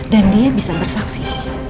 dan dia bisa bersaksi